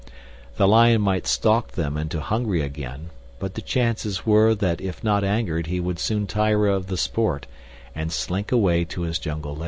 The lion might stalk them until hungry again; but the chances were that if not angered he would soon tire of the sport, and slink away to his jungle lair.